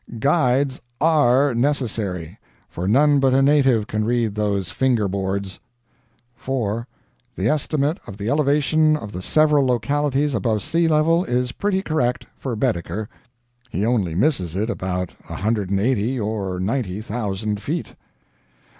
Guides ARE necessary, for none but a native can read those finger boards. 4. The estimate of the elevation of the several localities above sea level is pretty correct for Baedeker. He only misses it about a hundred and eighty or ninety thousand feet.